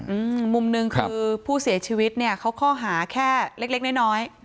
อืมมุมหนึ่งคือผู้เสียชีวิตเนี้ยเขาข้อหาแค่เล็กเล็กน้อยน้อย